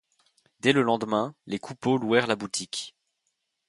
Dès le lendemain, les Coupeau louèrent la boutique.